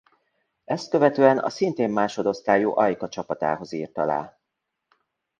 Ezt követően a szintén másodosztályú Ajka csapatához írt alá.